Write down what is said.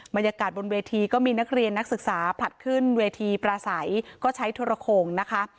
บรรยากาศบนเวทีก็มีนักเรียนนักศึกษาผลัดขึ้นเวทีปราศัยก็ใช้โทรโขงนะคะ